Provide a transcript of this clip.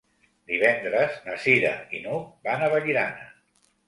Divendres na Cira i n'Hug van a Vallirana.